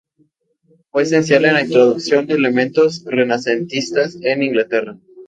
Fue esencial en la introducción de elementos renacentistas en Inglaterra.